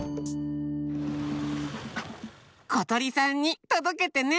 ことりさんにとどけてね！